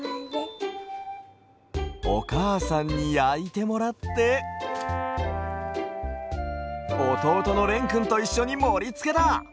おかあさんにやいてもらっておとうとのれんくんといっしょにもりつけだ！